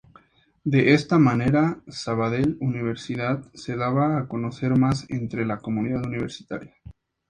De esta manera, Sabadell Universidad, se daba a conocer más entre la comunidad universitaria.